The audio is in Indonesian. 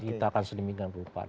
diciptakan sedemikian pembukaan